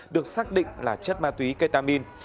được xác định là chất ma túy ketamin